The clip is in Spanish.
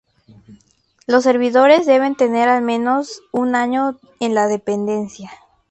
Los servidores deben tener al menos un año en la Dependencia.